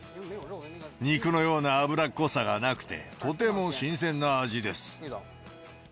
肉のような脂っこさがなくて、とても新鮮な味です。